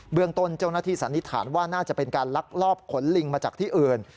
เมืองต้นเจ้าหน้าที่สันนิษฐานว่าน่าจะเป็นการลักลอบขนลิงมาจากที่อื่น